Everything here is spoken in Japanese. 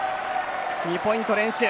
２ポイント連取。